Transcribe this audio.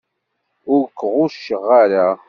Ur k-ɣucceɣ ara.